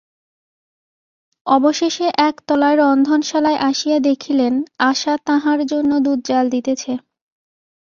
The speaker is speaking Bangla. অবশেষে একতলায় রন্ধনশালায় আসিয়া দেখিলেন, আশা তাঁহার জন্য দুধ জ্বাল দিতেছে।